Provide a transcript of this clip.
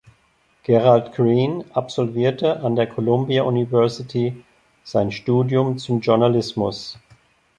Gerald Green absolvierte an der Columbia University sein Studium zum Journalismus.